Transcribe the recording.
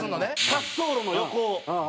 滑走路の横を。